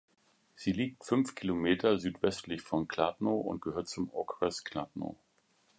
Sie liegt fünf Kilometer südwestlich von Kladno und gehört zum Okres Kladno.